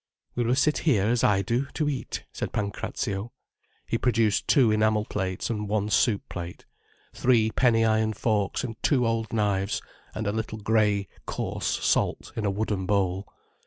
"We will sit here, as I do, to eat," said Pancrazio. He produced two enamel plates and one soup plate, three penny iron forks and two old knives, and a little grey, coarse salt in a wooden bowl.